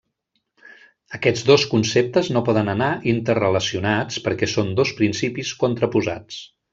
Aquests dos conceptes no poden anar interrelacionats perquè són dos principis contraposats.